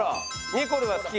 ニコルは好き？